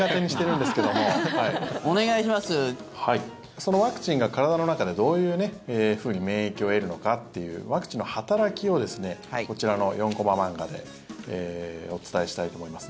そのワクチンが体の中でどういうふうに免疫を得るのかっていうワクチンの働きをこちらの４コマ漫画でお伝えしたいと思います。